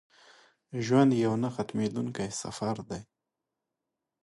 ژوند یو نه ختمېدونکی سفر دی.